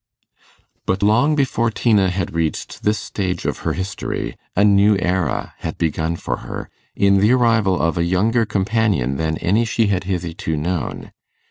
But long before Tina had reached this stage of her history, a new era had begun for her, in the arrival of a younger companion than any she had hitherto known.